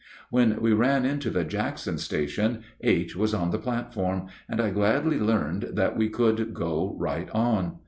When we ran into the Jackson station, H. was on the platform, and I gladly learned that we could go right on.